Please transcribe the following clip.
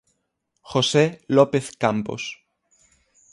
José López Campos.